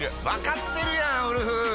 分かってるやんウルフ！